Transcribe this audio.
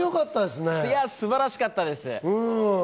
素晴らしかったです。